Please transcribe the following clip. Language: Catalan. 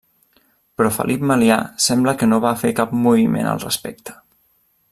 Però Felip Melià sembla que no va fer cap moviment al respecte.